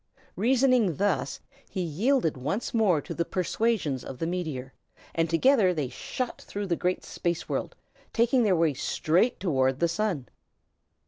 Reasoning thus, he yielded once more to the persuasions of the meteor, and together they shot through the great space world, taking their way straight toward the Sun.